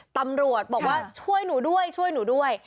ตำรวจบอกว่าช่วยหนูด้วยช่วยหนูด้วย